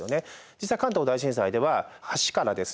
実際関東大震災では橋からですね